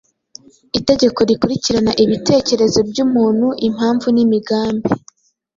Itegeko rikurikirana ibitekerezo by’umuntu, impamvu n’imigambi.